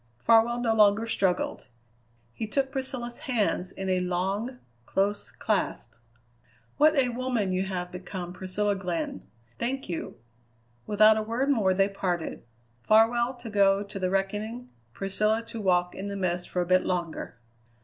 Farwell no longer struggled. He took Priscilla's hands in a long, close clasp. "What a woman you have become, Priscilla Glenn! Thank you." Without a word more they parted: Farwell to go to the reckoning; Priscilla to walk in the mist for a bit longer.